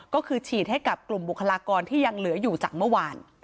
ก็คือฉีดให้กับกลุ่มบุคลากรที่ยังเหลืออยู่จากเมื่อวาน